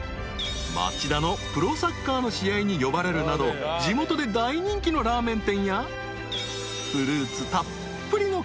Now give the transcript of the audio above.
［町田のプロサッカーの試合に呼ばれるなど地元で大人気のラーメン店やフルーツたっぷりの］